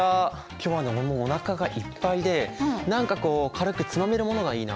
今日はねもうおなかがいっぱいで何かこう軽くつまめるものがいいな。